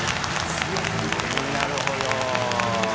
なるほど。